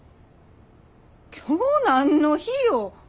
今日何の日よ。